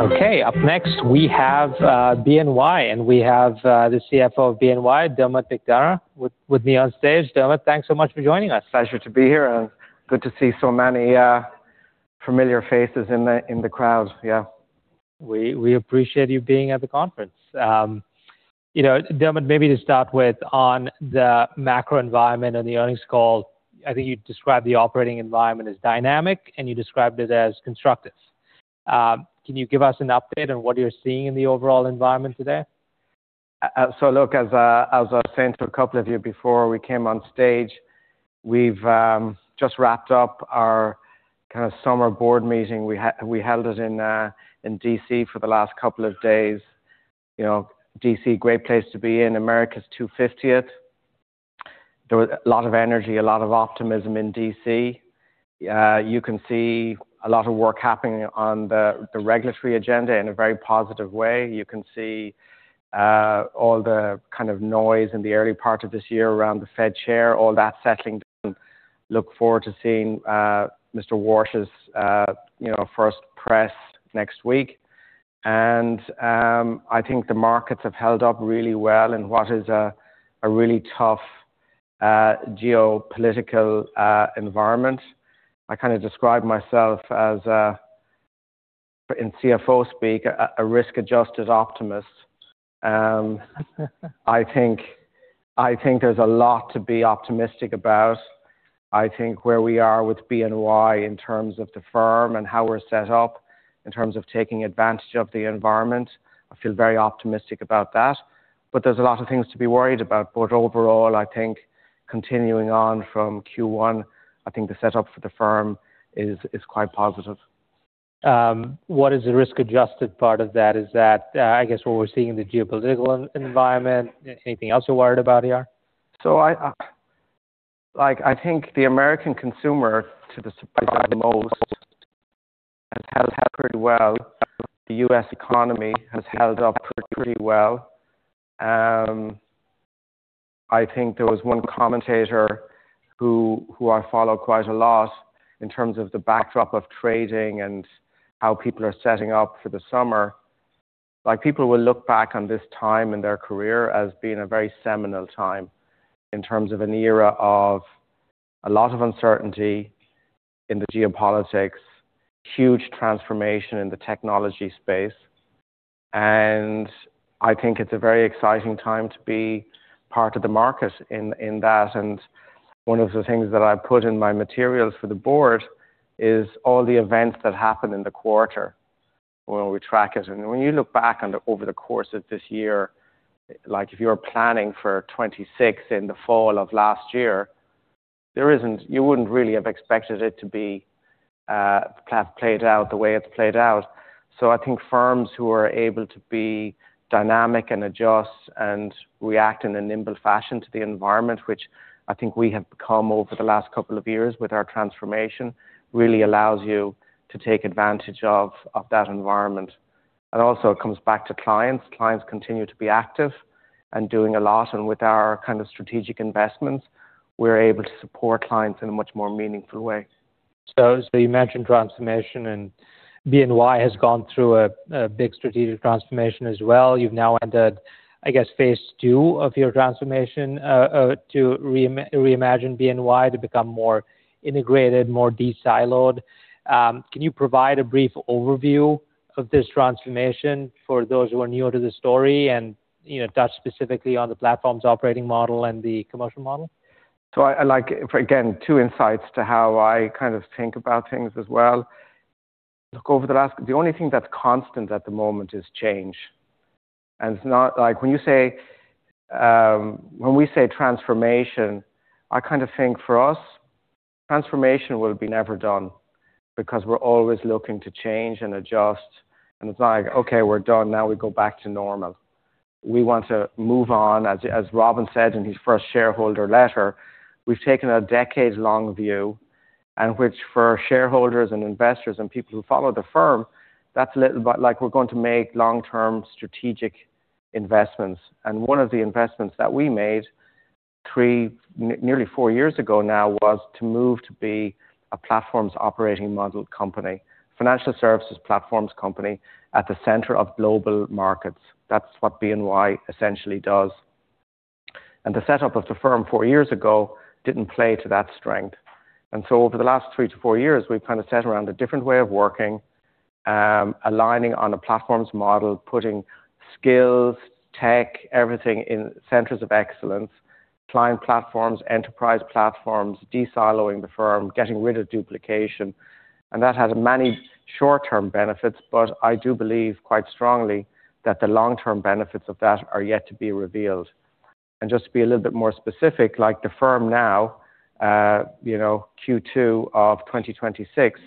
Okay. Up next, we have BNY. We have the CFO of BNY, Dermot McDonogh, with me on stage. Dermot, thanks so much for joining us. Pleasure to be here. Good to see so many familiar faces in the crowd. Yeah. We appreciate you being at the conference. Dermot, maybe to start with, on the macro environment and the earnings call, I think you described the operating environment as dynamic, and you described it as constructive. Can you give us an update on what you're seeing in the overall environment today? Look, as I was saying to a couple of you before we came on stage, we've just wrapped up our summer board meeting. We held it in D.C. for the last couple of days. D.C., great place to be in. America's 250th. There was a lot of energy, a lot of optimism in D.C. You can see a lot of work happening on the regulatory agenda in a very positive way. You can see all the kind of noise in the early part of this year around the Fed chair, all that settling down. Look forward to seeing Mr. Warsh's first press next week. I think the markets have held up really well in what is a really tough geopolitical environment. I kind of describe myself, in CFO speak, a risk-adjusted optimist. I think there's a lot to be optimistic about. I think where we are with BNY in terms of the firm and how we're set up in terms of taking advantage of the environment, I feel very optimistic about that. There's a lot of things to be worried about. Overall, I think continuing on from Q1, I think the setup for the firm is quite positive. What is the risk-adjusted part of that? Is that, I guess, what we're seeing in the geopolitical environment? Anything else you're worried about here? I think the American consumer, to the surprise of most, has held up pretty well. The U.S. economy has held up pretty well. I think there was one commentator who I follow quite a lot in terms of the backdrop of trading and how people are setting up for the summer. People will look back on this time in their career as being a very seminal time in terms of an era of a lot of uncertainty in the geopolitics, huge transformation in the technology space. I think it's a very exciting time to be part of the market in that. One of the things that I put in my materials for the board is all the events that happened in the quarter when we track it. When you look back over the course of this year, if you were planning for 2026 in the fall of last year, you wouldn't really have expected it to have played out the way it's played out. I think firms who are able to be dynamic and adjust and react in a nimble fashion to the environment, which I think we have become over the last couple of years with our transformation, really allows you to take advantage of that environment. Also it comes back to clients. Clients continue to be active and doing a lot. With our strategic investments, we're able to support clients in a much more meaningful way. As you mentioned, transformation, and BNY has gone through a big strategic transformation as well. You've now entered, I guess, phase 2 of your transformation, to reimagine BNY to become more integrated, more de-siloed. Can you provide a brief overview of this transformation for those who are newer to the story and touch specifically on the platform's operating model and the commercial model? I like, again, two insights to how I think about things as well. The only thing that's constant at the moment is change, and it's not like when we say transformation, I think for us, transformation will be never done because we're always looking to change and adjust, and it's not like, "Okay, we're done. Now we go back to normal." We want to move on. As Robin said in his first shareholder letter, we've taken a decades-long view, which for shareholders and investors and people who follow the firm, that's a little bit like we're going to make long-term strategic investments. One of the investments that we made three, nearly four years ago now, was to move to be a platforms operating model company, financial services platforms company at the center of global markets. That's what BNY essentially does. The setup of the firm four years ago didn't play to that strength. Over the last three to four years, we've set around a different way of working, aligning on a platforms model, putting skills, tech, everything in centers of excellence, client platforms, enterprise platforms, de-siloing the firm, getting rid of duplication. That has many short-term benefits, but I do believe quite strongly that the long-term benefits of that are yet to be revealed. Just to be a little bit more specific, the firm now, Q2 of 2026,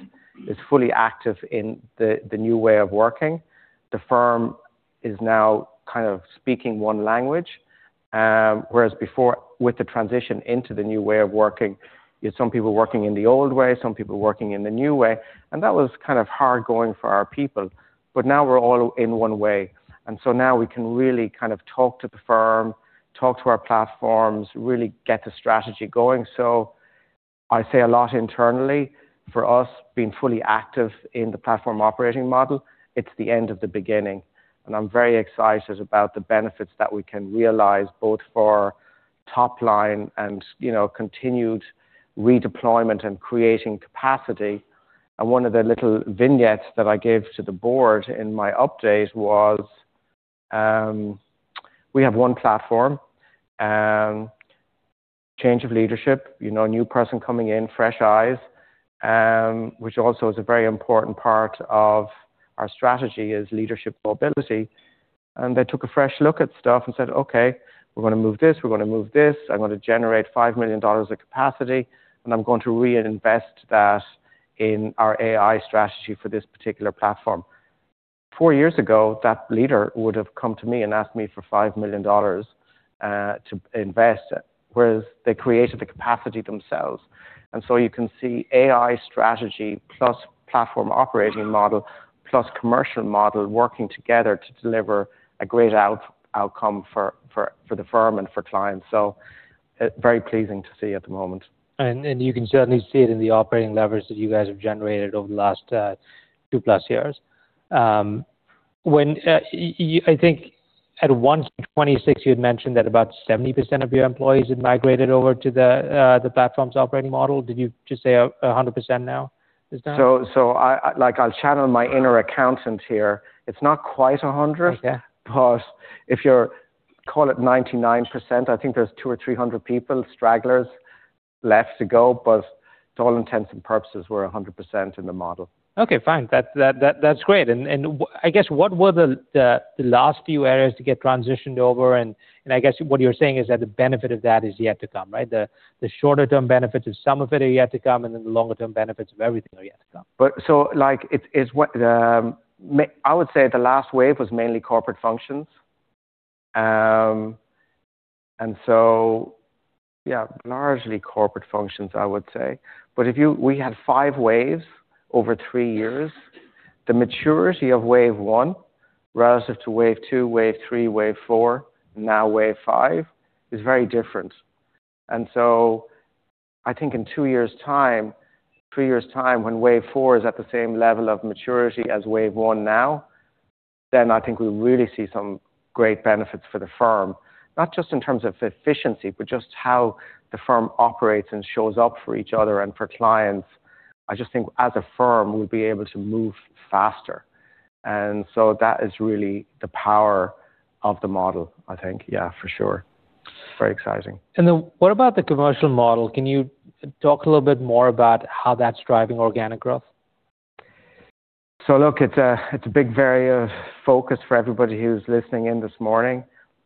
is fully active in the new way of working. The firm is now kind of speaking one language. Whereas before, with the transition into the new way of working, you had some people working in the old way, some people working in the new way, and that was kind of hard going for our people. Now we're all in one way, now we can really talk to the firm, talk to our platforms, really get the strategy going. I say a lot internally, for us being fully active in the platform operating model, it's the end of the beginning, and I'm very excited about the benefits that we can realize both for top line and continued redeployment and creating capacity. One of the little vignettes that I gave to the board in my update was, we have one platform, change of leadership, new person coming in, fresh eyes, which also is a very important part of our strategy, is leadership mobility. They took a fresh look at stuff and said, "Okay, we're going to move this, we're going to move this. I'm going to generate $5 million of capacity, and I'm going to reinvest that in our AI strategy for this particular platform." Four years ago, that leader would've come to me and asked me for $5 million to invest, whereas they created the capacity themselves. You can see AI strategy plus platform operating model plus commercial model working together to deliver a great outcome for the firm and for clients. Very pleasing to see at the moment. You can certainly see it in the operating leverage that you guys have generated over the last 2+ years. I think at 126 you had mentioned that about 70% of your employees had migrated over to the platform's operating model. Did you just say 100% now? Is that- I'll channel my inner accountant here. It's not quite 100. Okay. If you call it 99%, I think there's 200 or 300 people, stragglers left to go. To all intents and purposes, we're 100% in the model. Okay, fine. That's great. I guess, what were the last few areas to get transitioned over? I guess what you're saying is that the benefit of that is yet to come, right? The shorter-term benefits of some of it are yet to come. Then the longer-term benefits of everything are yet to come. I would say the last wave was mainly corporate functions. Yeah, largely corporate functions, I would say. We had five waves over three years. The maturity of wave one relative to wave two, wave three, wave four, now wave five, is very different. I think in two years' time, three years' time, when wave four is at the same level of maturity as wave one now, then I think we'll really see some great benefits for the firm, not just in terms of efficiency, but just how the firm operates and shows up for each other and for clients. I just think as a firm, we'll be able to move faster. That is really the power of the model, I think. Yeah, for sure. Very exciting. What about the commercial model? Can you talk a little bit more about how that's driving organic growth? Look, it's a big area of focus for everybody who's listening in this morning.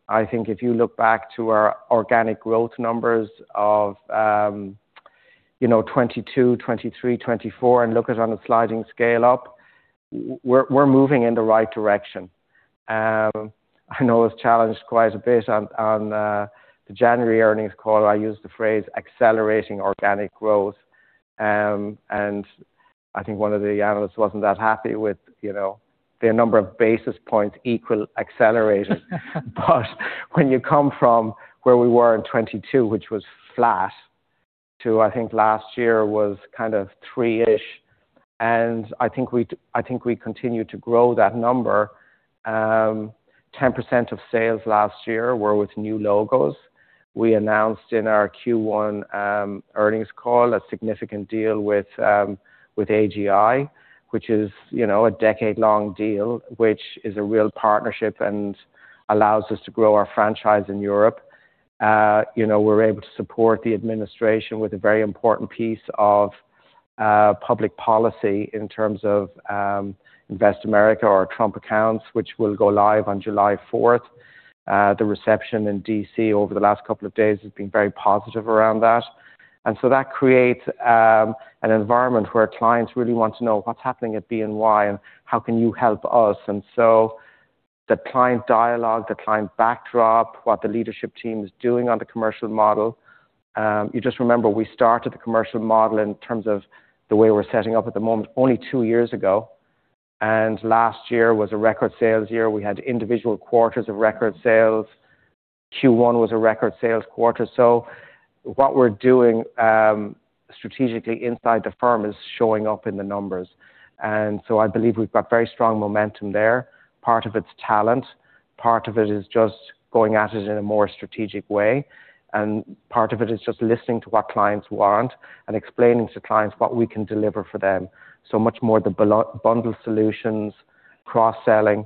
I think if you look back to our organic growth numbers of 2022, 2023, 2024, and look at it on a sliding scale up, we're moving in the right direction. I know I was challenged quite a bit on the January earnings call. I used the phrase accelerating organic growth. I think one of the analysts wasn't that happy with the number of basis points equal accelerated. When you come from where we were in 2022, which was flat, to, I think last year was kind of three-ish, and I think we continue to grow that number. 10% of sales last year were with new logos. We announced in our Q1 earnings call a significant deal with AGI, which is a decade-long deal, which is a real partnership and allows us to grow our franchise in Europe. We're able to support the administration with a very important piece of public policy in terms of INVEST in America or Trust accounts, which will go live on July 4th. The reception in D.C. over the last couple of days has been very positive around that. That creates an environment where clients really want to know what's happening at BNY and how can you help us. The client dialogue, the client backdrop, what the leadership team is doing on the commercial model. You just remember we started the commercial model in terms of the way we're setting up at the moment, only two years ago. Last year was a record sales year. We had individual quarters of record sales. Q1 was a record sales quarter. What we're doing strategically inside the firm is showing up in the numbers. I believe we've got very strong momentum there. Part of it's talent, part of it is just going at it in a more strategic way, and part of it is just listening to what clients want and explaining to clients what we can deliver for them. Much more the bundle solutions, cross-selling.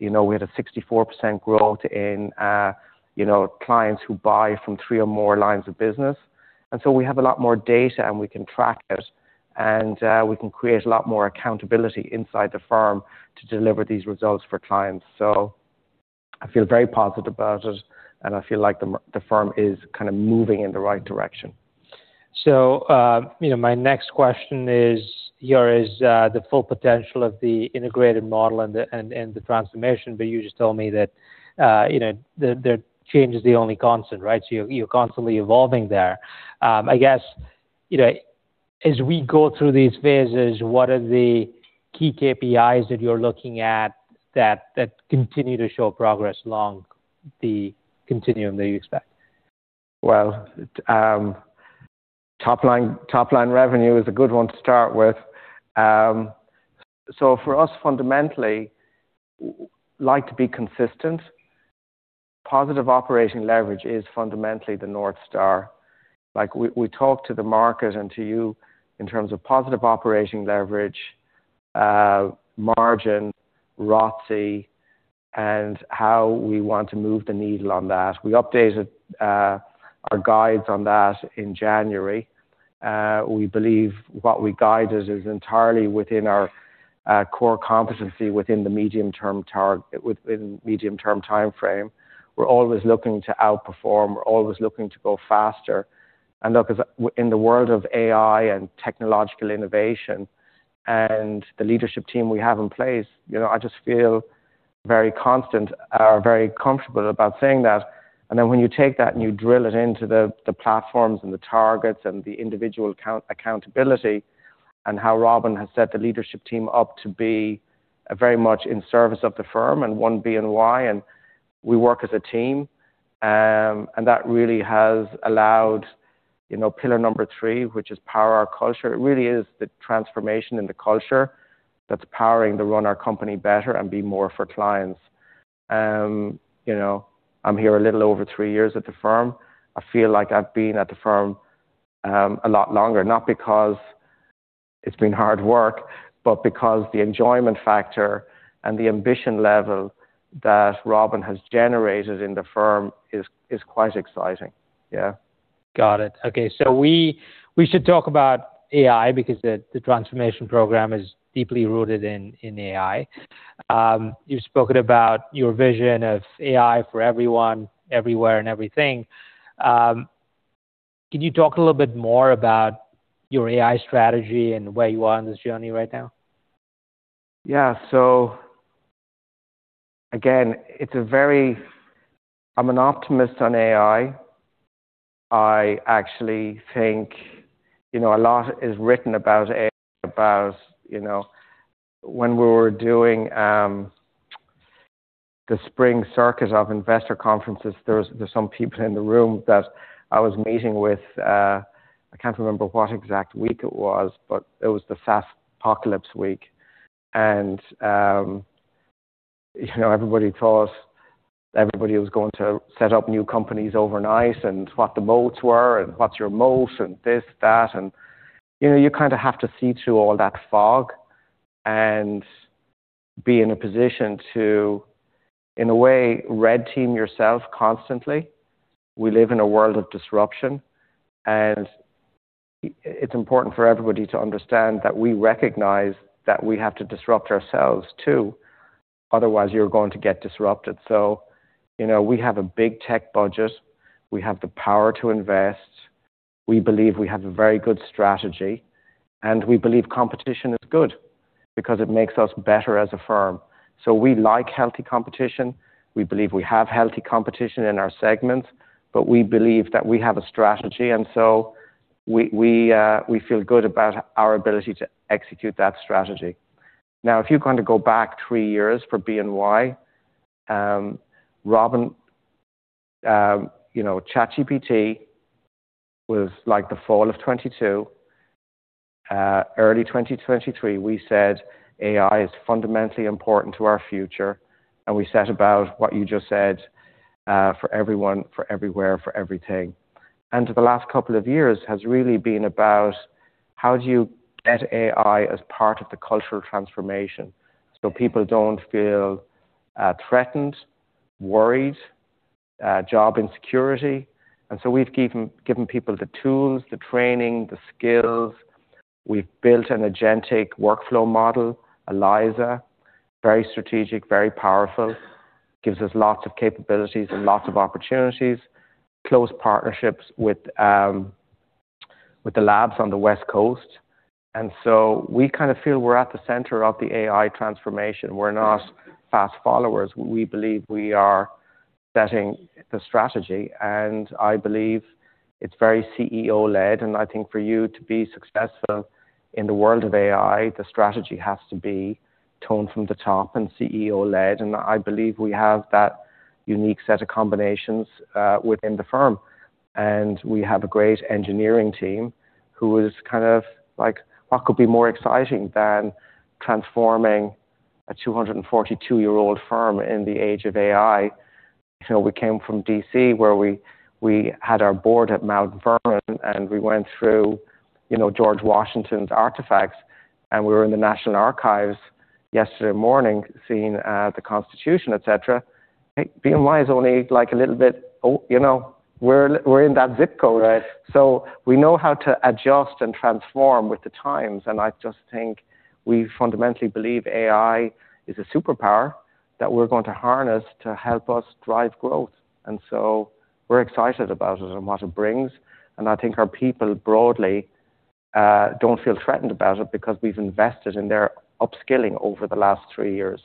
We had a 64% growth in clients who buy from three or more lines of business. We have a lot more data, and we can track it, and we can create a lot more accountability inside the firm to deliver these results for clients. I feel very positive about it, and I feel like the firm is kind of moving in the right direction. My next question is the full potential of the integrated model and the transformation, but you just told me that change is the only constant, right? You're constantly evolving there. I guess, as we go through these phases, what are the key KPIs that you're looking at that continue to show progress along the continuum that you expect. Well, top-line revenue is a good one to start with. For us, fundamentally, like to be consistent. Positive operating leverage is fundamentally the North Star. We talk to the market and to you in terms of positive operating leverage, margin, ROTCE, and how we want to move the needle on that. We updated our guides on that in January. We believe what we guided is entirely within our core competency within the medium-term timeframe. We're always looking to outperform. We're always looking to go faster, and look, in the world of AI and technological innovation and the leadership team we have in place, I just feel very comfortable about saying that. When you take that and you drill it into the platforms and the targets and the individual accountability, and how Robin has set the leadership team up to be very much in service of the firm and one BNY, and we work as a team. That really has allowed pillar number three, which is power our culture. It really is the transformation in the culture that's powering to run our company better and be more for clients. I'm here a little over three years at the firm. I feel like I've been at the firm a lot longer, not because it's been hard work, but because the enjoyment factor and the ambition level that Robin has generated in the firm is quite exciting. Yeah. Got it. Okay. We should talk about AI because the transformation program is deeply rooted in AI. You've spoken about your vision of AI for everyone, everywhere, and everything. Can you talk a little bit more about your AI strategy and where you are on this journey right now? Yeah. Again, I'm an optimist on AI. I actually think a lot is written about AI, about when we were doing the spring circus of investor conferences, there's some people in the room that I was meeting with. I can't remember what exact week it was, but it was the SaaS apocalypse week. Everybody thought everybody was going to set up new companies overnight, and what the moats were, and what's your moat and this, that. You kind of have to see through all that fog and be in a position to, in a way, red team yourself constantly. We live in a world of disruption, and it's important for everybody to understand that we recognize that we have to disrupt ourselves, too. Otherwise, you're going to get disrupted. We have a big tech budget. We have the power to invest. We believe we have a very good strategy, and we believe competition is good because it makes us better as a firm. We like healthy competition. We believe we have healthy competition in our segments, but we believe that we have a strategy, and so we feel good about our ability to execute that strategy. If you kind of go back three years for BNY, Robin, ChatGPT was the fall of 2022. Early 2023, we said AI is fundamentally important to our future, and we set about what you just said for everyone, for everywhere, for everything. The last couple of years has really been about how do you get AI as part of the cultural transformation so people don't feel threatened, worried, job insecurity. We've given people the tools, the training, the skills. We've built an agentic workflow model, Eliza. Very strategic, very powerful, gives us lots of capabilities and lots of opportunities. Close partnerships with the labs on the West Coast. We kind of feel we're at the center of the AI transformation. We're not fast followers. We believe we are setting the strategy, and I believe it's very CEO-led. I think for you to be successful in the world of AI, the strategy has to be toned from the top and CEO-led. I believe we have that unique set of combinations within the firm. We have a great engineering team who is kind of like, "What could be more exciting than transforming a 242-year-old firm in the age of AI?" We came from D.C., where we had our board at Mount Vernon, and we went through George Washington's artifacts, and we were in the National Archives yesterday morning seeing the Constitution, et cetera. We're in that zip code. Right. We know how to adjust and transform with the times. I just think we fundamentally believe AI is a superpower that we're going to harness to help us drive growth. We're excited about it and what it brings, and I think our people broadly don't feel threatened about it because we've invested in their upskilling over the last three years.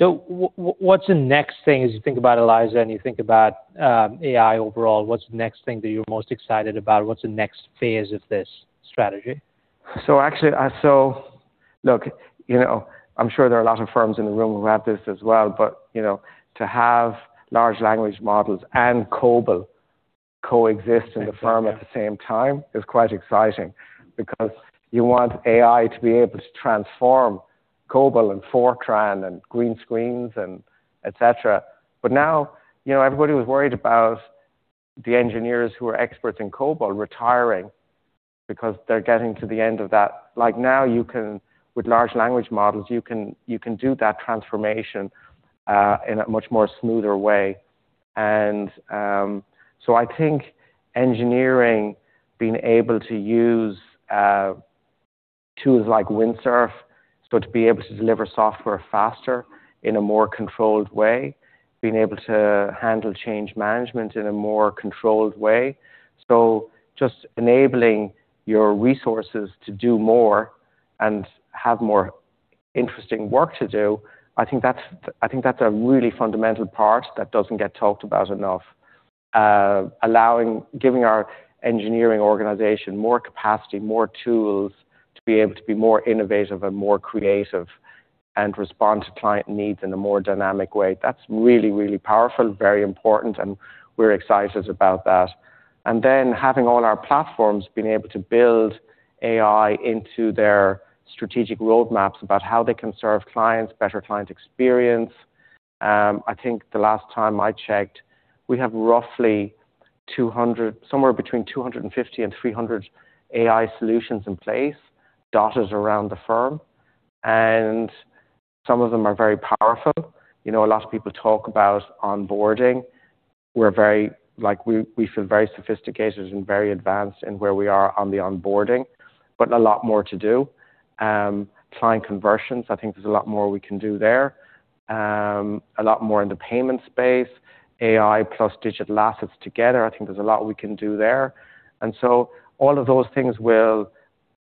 What's the next thing as you think about Eliza and you think about AI overall, what's the next thing that you're most excited about? What's the next phase of this strategy? actually, Look, I'm sure there are a lot of firms in the room who have this as well, but to have large language models and COBOL coexist in the firm at the same time is quite exciting, because you want AI to be able to transform COBOL and Fortran and green screens and et cetera. Everybody was worried about the engineers who are experts in COBOL retiring because they're getting to the end of that. With large language models, you can do that transformation in a much more smoother way. I think engineering being able to use tools like Windsurf, to be able to deliver software faster in a more controlled way, being able to handle change management in a more controlled way. Just enabling your resources to do more and have more interesting work to do, I think that's a really fundamental part that doesn't get talked about enough. Giving our engineering organization more capacity, more tools to be able to be more innovative and more creative, and respond to client needs in a more dynamic way. That's really, really powerful, very important, and we're excited about that. Having all our platforms being able to build AI into their strategic roadmaps about how they can serve clients, better client experience. I think the last time I checked, we have roughly somewhere between 250 and 300 AI solutions in place dotted around the firm, and some of them are very powerful. A lot of people talk about onboarding. We feel very sophisticated and very advanced in where we are on the onboarding, but a lot more to do. Client conversions, I think there's a lot more we can do there. A lot more in the payment space, AI plus digital assets together, I think there's a lot we can do there. All of those things will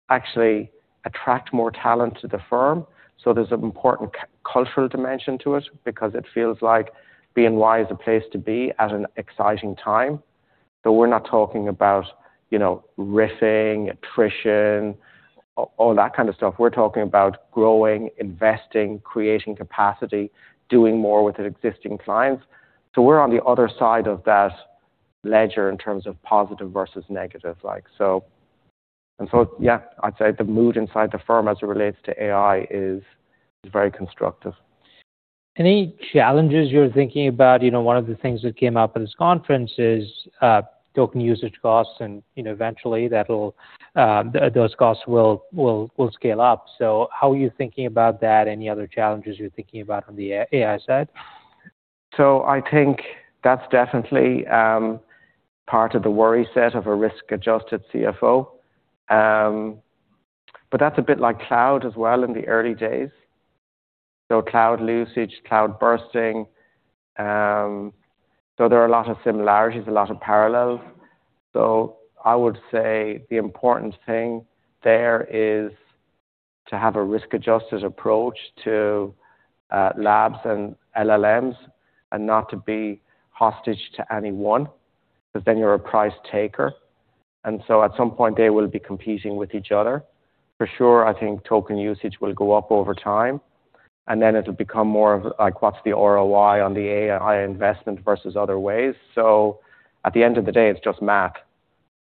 actually attract more talent to the firm. There's an important cultural dimension to it because it feels like BNY is the place to be at an exciting time. We're not talking about riffing, attrition, all that kind of stuff. We're talking about growing, investing, creating capacity, doing more with existing clients. We're on the other side of that ledger in terms of positive versus negative. Yeah, I'd say the mood inside the firm as it relates to AI is very constructive. Any challenges you're thinking about? One of the things that came up in this conference is token usage costs and eventually those costs will scale up. How are you thinking about that? Any other challenges you're thinking about on the AI side? I think that's definitely part of the worry set of a risk-adjusted CFO. That's a bit like cloud as well in the early days. Cloud usage, cloud bursting. There are a lot of similarities, a lot of parallels. I would say the important thing there is to have a risk-adjusted approach to labs and LLMs, and not to be hostage to any one, because then you're a price taker, and at some point they will be competing with each other. For sure, I think token usage will go up over time, and then it'll become more of like, what's the ROI on the AI investment versus other ways? At the end of the day, it's just math.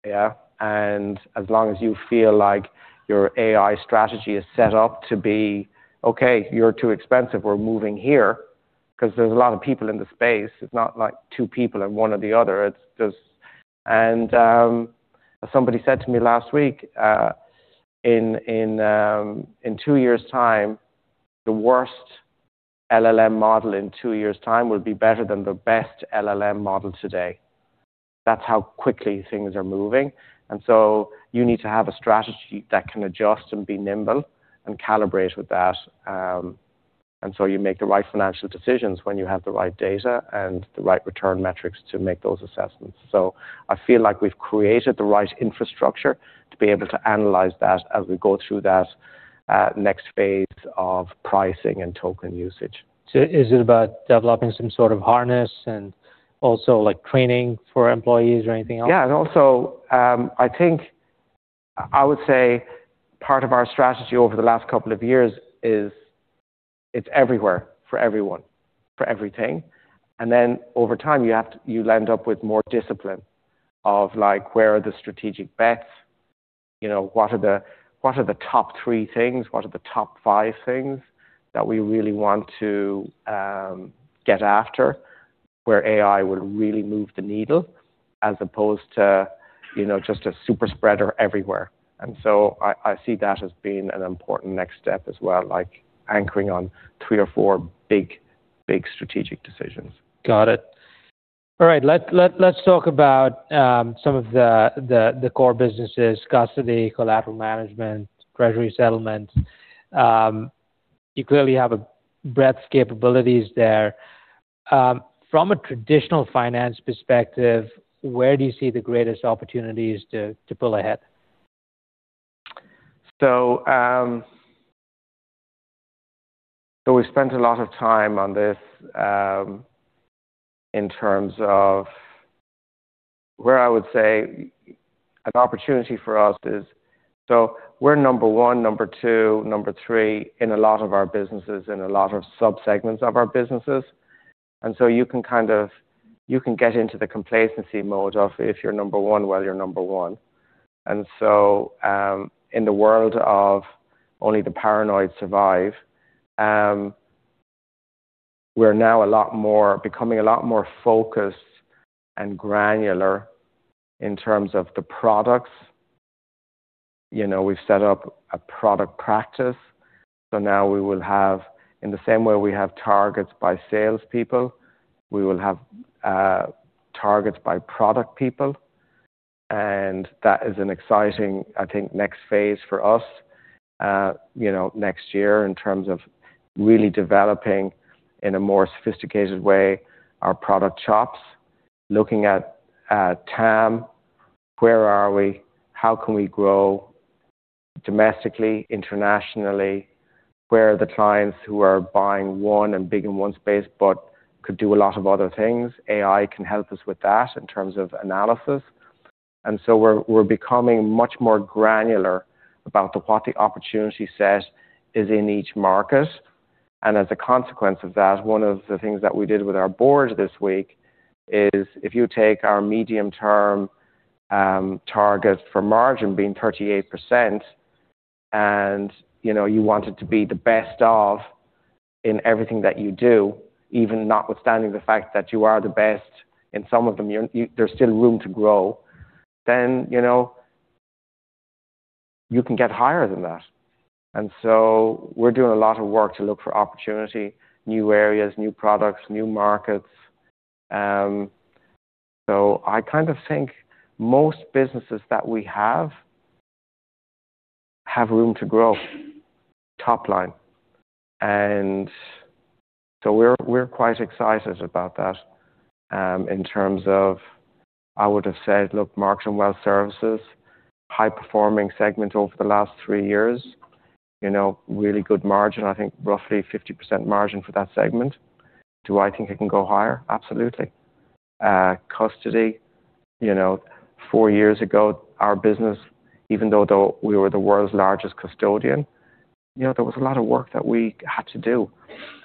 Yeah. As long as you feel like your AI strategy is set up to be, "Okay, you're too expensive, we're moving here," because there's a lot of people in the space. It's not like two people and one or the other. Somebody said to me last week, in two years' time, the worst LLM model in two years' time will be better than the best LLM model today. That's how quickly things are moving. You need to have a strategy that can adjust and be nimble and calibrate with that. You make the right financial decisions when you have the right data and the right return metrics to make those assessments. I feel like we've created the right infrastructure to be able to analyze that as we go through that next phase of pricing and token usage. Is it about developing some sort of harness and also training for employees or anything else? Yeah. I think I would say part of our strategy over the last couple of years is it's everywhere for everyone, for everything. Over time, you'll end up with more discipline of like, where are the strategic bets? What are the top three things? What are the top five things that we really want to get after where AI will really move the needle as opposed to just a super spreader everywhere. I see that as being an important next step as well, like anchoring on three or four big strategic decisions. Got it. All right. Let's talk about some of the core businesses, custody, collateral management, treasury settlement. You clearly have a breadth capabilities there. From a traditional finance perspective, where do you see the greatest opportunities to pull ahead? We spent a lot of time on this in terms of where I would say an opportunity for us is. We're number one, number two, number three in a lot of our businesses, in a lot of sub-segments of our businesses. You can get into the complacency mode of if you're number one, well, you're number one. In the world of only the paranoid survive, we're now becoming a lot more focused and granular in terms of the products. We've set up a product practice. Now in the same way we have targets by salespeople, we will have targets by product people. That is an exciting, I think, next phase for us next year in terms of really developing in a more sophisticated way our product chops, looking at TAM, where are we, how can we grow domestically, internationally, where are the clients who are buying one and big in one space, but could do a lot of other things. AI can help us with that in terms of analysis. We're becoming much more granular about what the opportunity set is in each market. As a consequence of that, one of the things that we did with our board this week is if you take our medium-term target for margin being 38%, and you wanted to be the best of in everything that you do, even notwithstanding the fact that you are the best in some of them, there's still room to grow, then you can get higher than that. We're doing a lot of work to look for opportunity, new areas, new products, new markets. I think most businesses that we have have room to grow top-line. We're quite excited about that. In terms of, I would've said, look, Markets and Wealth Services, high-performing segment over the last three years, really good margin. I think roughly 50% margin for that segment. Do I think it can go higher? Absolutely. Custody. Four years ago, our business, even though we were the world's largest custodian, there was a lot of work that we had to do,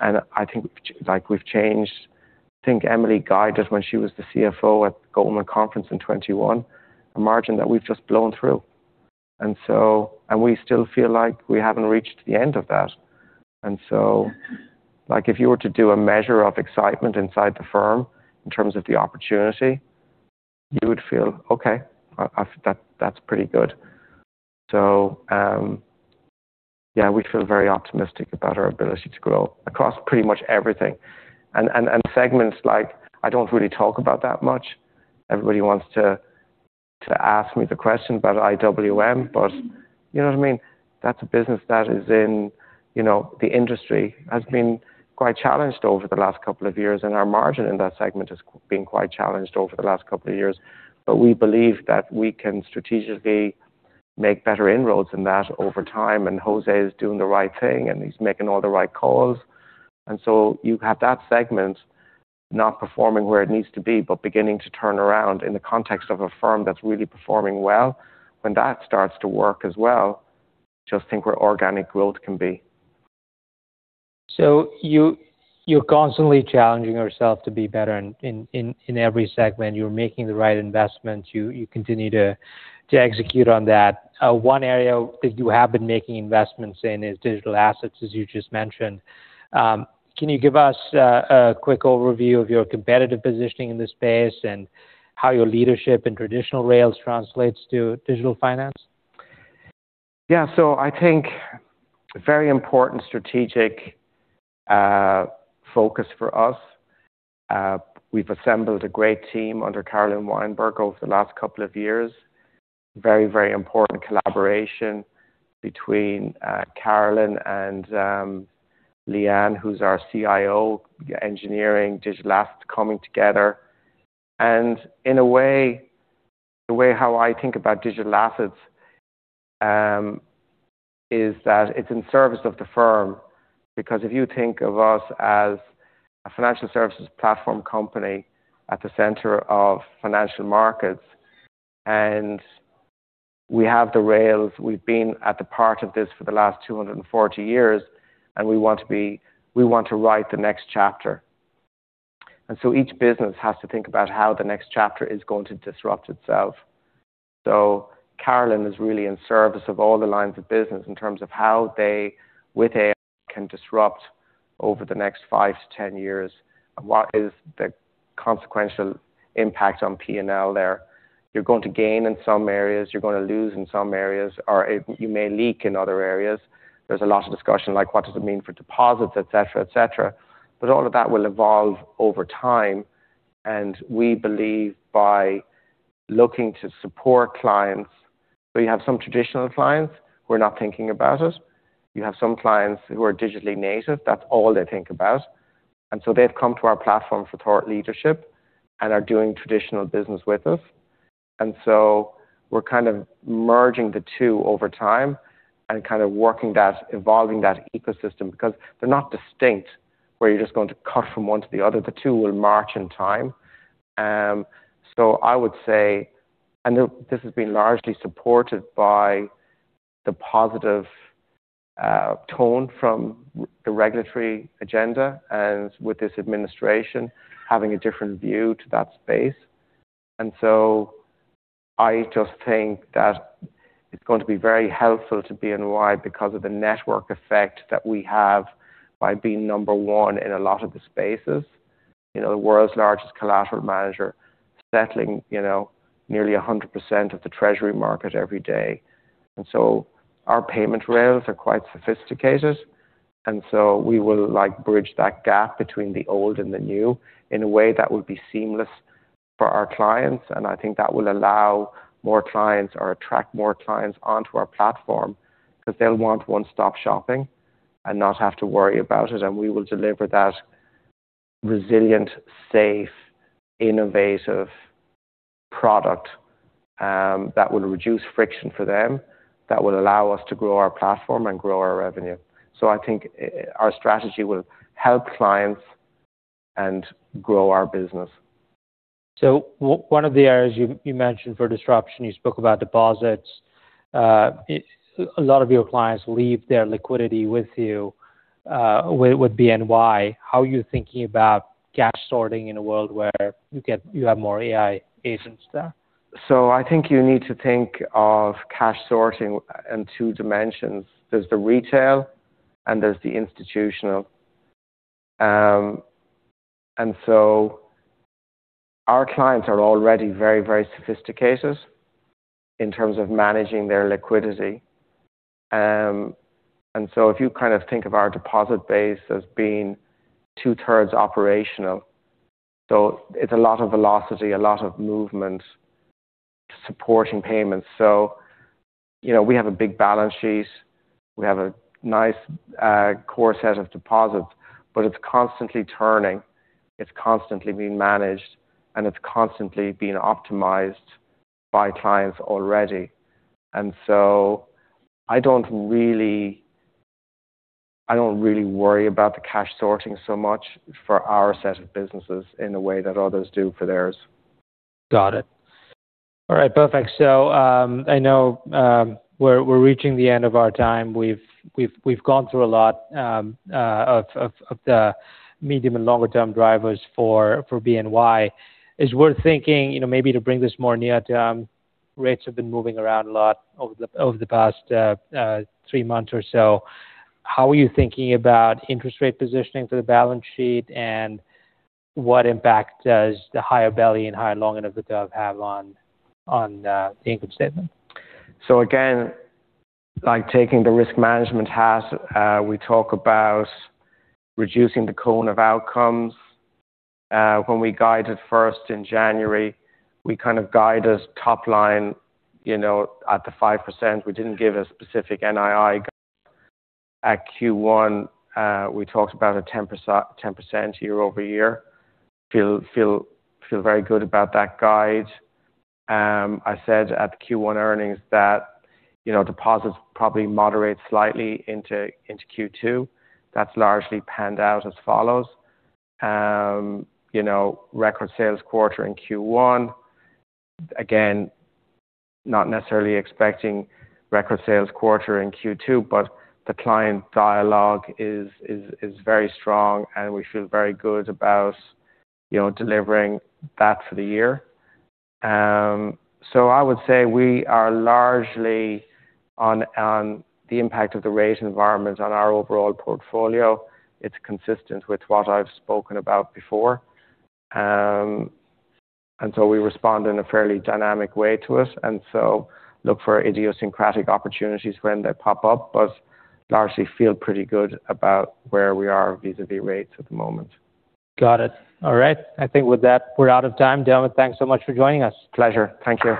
and I think we've changed. I think Emily guided when she was the CFO at Goldman Conference in 2021, a margin that we've just blown through. We still feel like we haven't reached the end of that. If you were to do a measure of excitement inside the firm in terms of the opportunity, you would feel, "Okay, that's pretty good." Yeah, we feel very optimistic about our ability to grow across pretty much everything and segments I don't really talk about that much. Everybody wants to ask me the question about IWM, but you know what I mean? That's a business that the industry has been quite challenged over the last couple of years, and our margin in that segment has been quite challenged over the last couple of years. We believe that we can strategically make better inroads in that over time, and Jose is doing the right thing, and he's making all the right calls. You have that segment not performing where it needs to be, but beginning to turn around in the context of a firm that's really performing well. When that starts to work as well, just think where organic growth can be. You're constantly challenging yourself to be better in every segment. You're making the right investments. You continue to execute on that. One area that you have been making investments in is digital assets, as you just mentioned. Can you give us a quick overview of your competitive positioning in this space and how your leadership in traditional rails translates to digital finance? Yeah. I think very important strategic focus for us. We've assembled a great team under Carolyn Weinberg over the last couple of years. Very important collaboration between Carolyn and Leigh-Ann, who's our CIO, engineering digital assets coming together. In a way, the way how I think about digital assets, is that it's in service of the firm. Because if you think of us as a financial services platform company at the center of financial markets, and we have the rails, we've been at the part of this for the last 240 years, and we want to write the next chapter. Each business has to think about how the next chapter is going to disrupt itself. Carolyn is really in service of all the lines of business in terms of how they, with AI, can disrupt over the next 5 -10 years, and what is the consequential impact on P&L there. You're going to gain in some areas, you're going to lose in some areas, or you may leak in other areas. There's a lot of discussion like what does it mean for deposits, et cetera. All of that will evolve over time, and we believe by looking to support clients. You have some traditional clients who are not thinking about it. You have some clients who are digitally native, that's all they think about. They've come to our platform for thought leadership and are doing traditional business with us. We're kind of merging the two over time and working that, evolving that ecosystem because they're not distinct, where you're just going to cut from one to the other. The two will march in time. I would say, and this has been largely supported by the positive tone from the regulatory agenda and with this administration having a different view to that space. I just think that it's going to be very helpful to BNY because of the network effect that we have by being number one in a lot of the spaces. The world's largest collateral manager settling nearly 100% of the treasury market every day. Our payment rails are quite sophisticated, we will bridge that gap between the old and the new in a way that will be seamless for our clients, and I think that will allow more clients or attract more clients onto our platform because they'll want one-stop shopping and not have to worry about it, and we will deliver that resilient, safe, innovative product that will reduce friction for them, that will allow us to grow our platform and grow our revenue. I think our strategy will help clients and grow our business. One of the areas you mentioned for disruption, you spoke about deposits. A lot of your clients leave their liquidity with you, with BNY. How are you thinking about cash sorting in a world where you have more AI agents there? I think you need to think of cash sorting in two dimensions. There's the retail and there's the institutional. Our clients are already very, very sophisticated in terms of managing their liquidity. If you think of our deposit base as being two-thirds operational, it's a lot of velocity, a lot of movement supporting payments. We have a big balance sheet, we have a nice core set of deposits, but it's constantly turning, it's constantly being managed, and it's constantly being optimized by clients already. I don't really worry about the cash sorting so much for our set of businesses in a way that others do for theirs. Got it. All right. Perfect. I know we're reaching the end of our time. We've gone through a lot of the medium and longer term drivers for BNY. As we're thinking maybe to bring this more near term, rates have been moving around a lot over the past three months or so. How are you thinking about interest rate positioning for the balance sheet, and what impact does the higher belly and higher long end of the curve have on the income statement? Again, like taking the risk management hat, we talk about reducing the cone of outcomes. When we guided first in January, we kind of guided top line at the 5%. We didn't give a specific NII guide. At Q1, we talked about a 10% year-over-year. Feel very good about that guide. I said at the Q1 earnings that deposits probably moderate slightly into Q2. That's largely panned out as follows. Record sales quarter in Q1. Again, not necessarily expecting record sales quarter in Q2, but the client dialogue is very strong, and we feel very good about delivering that for the year. I would say we are largely on the impact of the rate environment on our overall portfolio. It's consistent with what I've spoken about before. We respond in a fairly dynamic way to it, look for idiosyncratic opportunities when they pop up, but largely feel pretty good about where we are vis-a-vis rates at the moment. Got it. All right. I think with that, we're out of time. Dermot, thanks so much for joining us. Pleasure. Thank you.